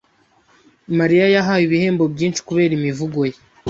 Mariya yahawe ibihembo byinshi kubera imivugo ye.